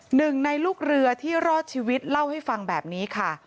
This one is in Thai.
หนึ่งในลูกเรือที่รอดชีวิตเล่าให้ฟังแบบนี้ค่ะ